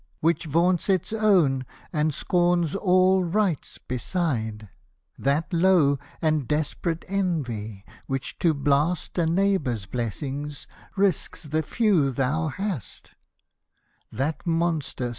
Which vaunts its own, and scorns all rights beside ; That low and desperate envy, which to blast A neighbour's blessings, risks the few thou hast ;— That monster.